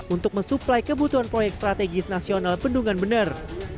untuk mensuplai kebutuhan proyek strategis nasional bendungan bener